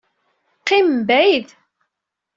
Qqim mebɛid.